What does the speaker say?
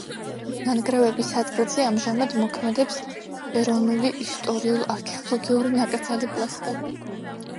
ნანგრევების ადგილზე ამჟამად მოქმედებს ეროვნული ისტორიულ-არქეოლოგიური ნაკრძალი „პლისკა“.